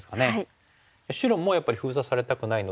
白もやっぱり封鎖されたくないので逃げていきます。